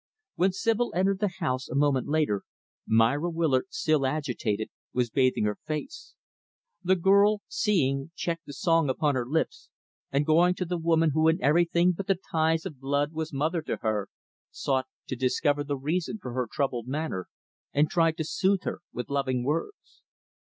When Sibyl entered the house, a moment later, Myra Willard, still agitated, was bathing her face. The girl, seeing, checked the song upon her lips; and going to the woman who in everything but the ties of blood was mother to her, sought to discover the reason for her troubled manner, and tried to soothe her with loving words.